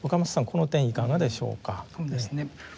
この点いかがでしょうか？